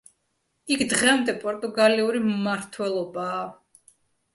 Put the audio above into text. იქ დღემდე პორტუგალიური მმართველობაა.